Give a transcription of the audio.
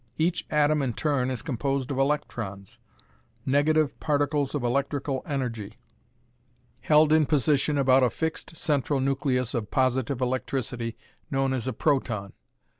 Each atom in turn is composed of electrons, negative particles of electrical energy, held in position about a fixed central nucleus of positive electricity known as a proton.